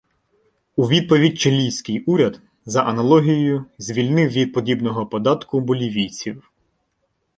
У відповідь чилійський уряд, за аналогією, звільнив від подібного податку болівійців.